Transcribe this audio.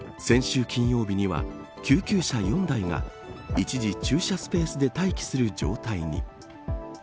先週金曜日には、救急車４台が一時、駐車スペースで待機する状態に。